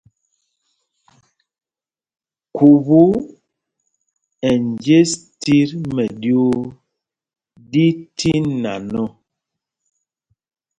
Khubú ɛ njes tit mɛɗyuu ɗí tí nan ɔ.